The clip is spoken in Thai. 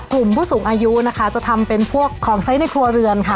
กลุ่มผู้สูงอายุนะคะจะทำเป็นพวกของใช้ในครัวเรือนค่ะ